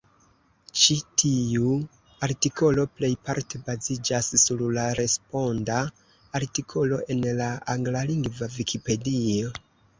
Ĉi tiu artikolo plejparte baziĝas sur la responda artikolo en la anglalingva Vikipedio.